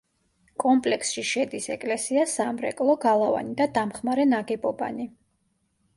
კომპლექსში შედის ეკლესია, სამრეკლო, გალავანი და დამხმარე ნაგებობანი.